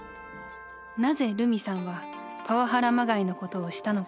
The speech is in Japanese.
［なぜルミさんはパワハラまがいのことをしたのか］